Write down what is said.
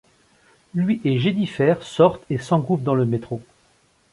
Lui et Jennifer sortent et s'engouffrent dans le métro.